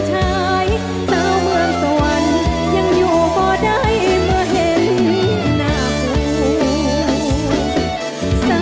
เจ้าเมืองสวรรค์ยังอยู่กับใครเมื่อเห็นแบบตัว